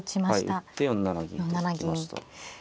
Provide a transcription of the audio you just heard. はい打って４七銀と引きました。